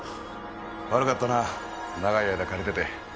悪かったな長い間借りてて。